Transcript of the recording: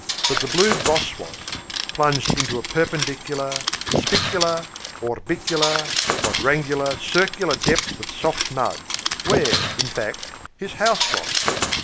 But the Blue Boss Woss plunged into a perpendicular, spicular, orbicular, quadrangular, circular depth of soft mud; where, in fact, his house was.